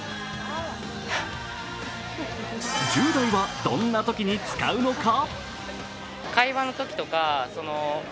１０代は、どんなときに使うのか？